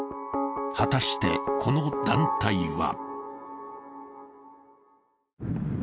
果してこの団体は。